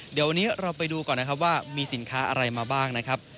เดี๋ยววันนี้เราไปดูก่อนนะครับว่ามีสินค้าอะไรมาบ้างนะครับ